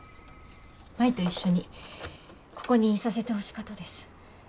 舞と一緒にここにいさせてほしかとです。